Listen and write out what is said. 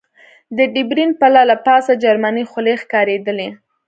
د ډبرین پله له پاسه جرمنۍ خولۍ ښکارېدلې.